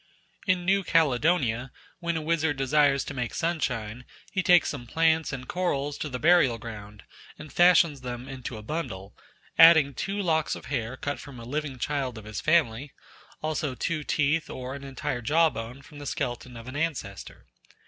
In New Caledonia when a wizard desires to make sunshine, he takes some plants and corals to the burial ground, and fashions them into a bundle, adding two locks of hair cut from a living child of his family, also two teeth or an entire jawbone from the skeleton of an ancestor.